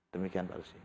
demikian pak wessi